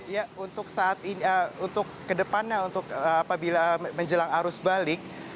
ya untuk saat ini untuk kedepannya untuk apabila menjelang arus balik